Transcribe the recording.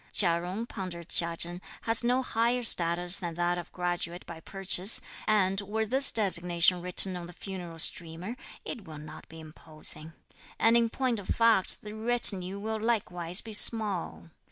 "Chia Jung," pondered Chia Chen, "has no higher status than that of graduate by purchase, and were this designation written on the funeral streamer, it will not be imposing, and, in point of fact, the retinue will likewise be small."